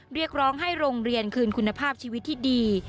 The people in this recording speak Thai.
เรียกร้องให้โรงเรียนคืนคุณภาพชีวิตที่ดี